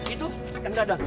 itu kang dadang